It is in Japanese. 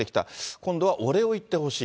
今度はお礼を言ってほしい。